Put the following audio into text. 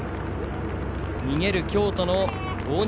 逃げる京都の大西。